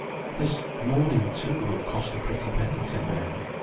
"This mourning, too, will cost a pretty penny," said Mary.